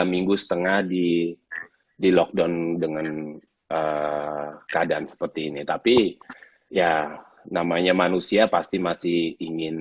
minggu setengah di di lockdown dengan keadaan seperti ini tapi ya namanya manusia pasti masih ingin